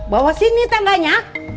bawa sini tangganya